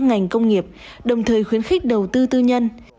ngành công nghiệp đồng thời khuyến khích đầu tư tư nhân